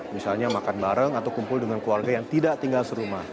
misalnya makan bareng atau kumpul dengan keluarga yang tidak tinggal serumah